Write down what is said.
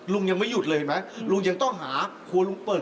ลุงยังไม่หยุดเลยเห็นไหมลุงยังต้องหาครัวลุงเปิด